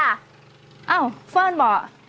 อ้าวฟิล์นบอก